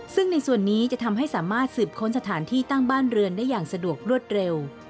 ซึ่งในส่วนนี้จะทำให้สามารถสืบค้นสถานที่ตั้งบ้านเรือนได้อย่างสะดวกรวดเร็ว